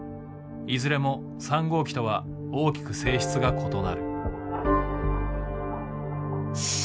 いずれも３号機とは大きく性質が異なる。